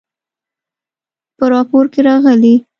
په راپور کې راغلي